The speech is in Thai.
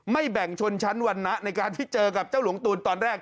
แบ่งชนชั้นวรรณะในการที่เจอกับเจ้าหลวงตูนตอนแรก